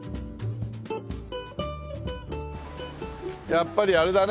やっぱりあれだね